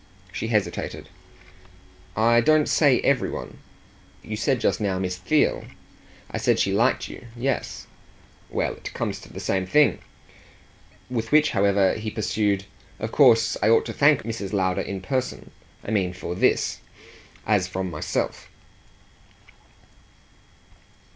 She hesitated. "I don't say every one." "You said just now Miss Theale." "I said she liked you yes." "Well, it comes to the same thing." With which, however, he pursued: "Of course I ought to thank Mrs. Lowder in person. I mean for THIS as from myself."